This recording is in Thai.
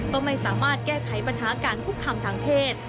ก็ไม่สามารถแก้ไขปัญหาการคุกคามทางเพศ